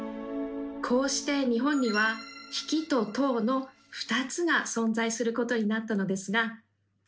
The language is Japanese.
こうして日本には「匹」と「頭」の２つが存在することになったのですが